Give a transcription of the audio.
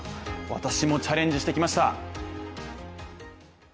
私もチャレンジしてきました。